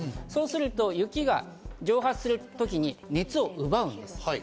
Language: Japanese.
そうすると雪が蒸発するときに熱を奪うんです。